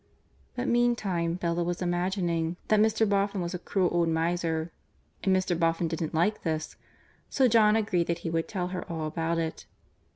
But meantime Bella was imagining that Mr. Boffin was a cruel old miser, and Mr. Boffin didn't like this, so John agreed that he would tell her all about it.